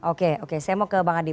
oke saya mau ke bang ade